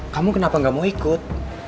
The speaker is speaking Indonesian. kamu kenapa gak mau ikut